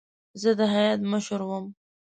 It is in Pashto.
زه د هیات مشر وم.